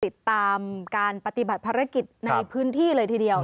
ติดตามการปฏิบัติภารกิจในพื้นที่เลยทีเดียว